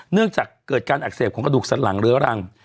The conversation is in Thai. เนื่องจากเกิดการอักเสบของกระดูกสันหลังเรื้อรัง